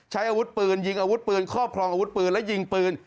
ใช้อาวุธปืนยิงอาวุธปืนครอบครองอาวุธปืนและยิงปืน